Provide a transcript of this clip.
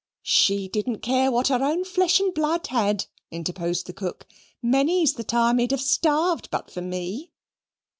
"She didn't care what her own flesh and blood had," interposed the cook. "Many's the time, he'd have starved but for me."